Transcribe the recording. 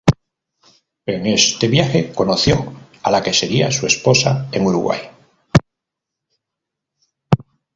En este viaje conoció a la que sería su esposa, en Uruguay.